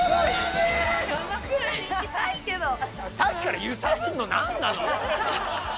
さっきから揺さぶるのなんなの？